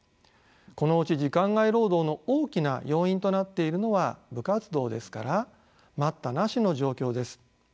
このうち時間外労働の大きな要因となっているのは部活動ですから待ったなしの状況です。